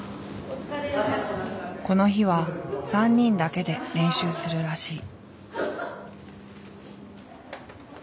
この日は３人だけで練習するらしい。